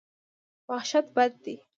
وحشت بد دی.